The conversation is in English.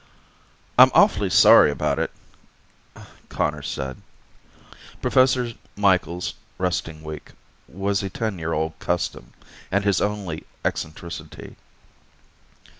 "I'm awfully sorry about it," Conners said. Professor Micheals' resting week was a ten year old custom, and his only eccentricity.